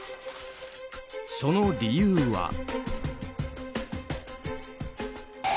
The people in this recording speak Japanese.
その理由は。